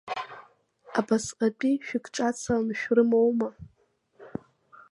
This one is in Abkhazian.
Абасҟатәи шәыкҿацаланы шәрымоума?